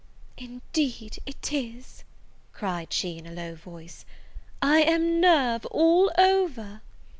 "Indeed it is," cried she, in a low voice, "I am nerve all over!"